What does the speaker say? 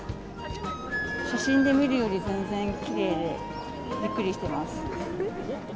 写真で見るより全然きれいで、びっくりしてます。